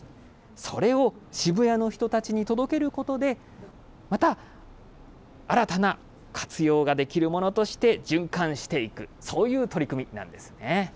それを渋谷の人たちに届けることで、また新たな活用ができるものとして、循環していく、そういう取り組みなんですね。